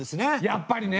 やっぱりね！